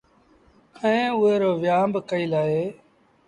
ائيٚݩ اُئي رو ويٚنهآݩ با ڪئيٚل اهي